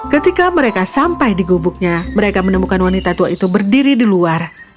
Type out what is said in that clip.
ketika mereka sampai di gubuknya mereka menemukan wanita tua itu berdiri di luar